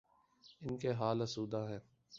ان کے حال آسودہ ہیں۔